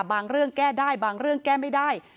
เรื่องแก้ได้บางเรื่องแก้ไม่ได้